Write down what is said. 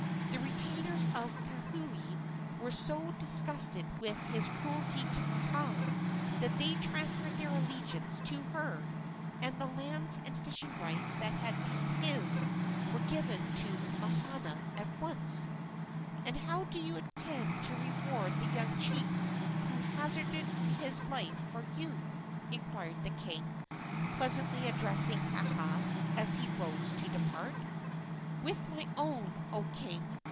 The retainers of Kauhi were so disgusted with his cruelty to Kaha that they transferred their allegiance to her, and the lands and fishing rights that had been his were given to Mahana at once. "And how do you intend to reward the young chief who hazarded his life for you?" inquired the king, pleasantly addressing Kaha as he rose to depart. "With my own, O king!"